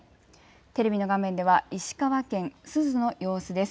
テレビの画面では石川県珠洲の様子です。